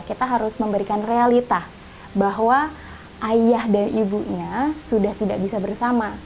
kita harus memberikan realita bahwa ayah dan ibunya sudah tidak bisa bersama